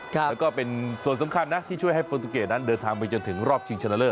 แล้วก็เป็นส่วนสำคัญนะที่ช่วยให้โปรตูเกตนั้นเดินทางไปจนถึงรอบชิงชนะเลิ